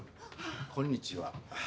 こんにちは。